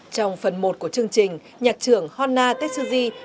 trong phần một của chương trình nhạc trưởng honna tetsuji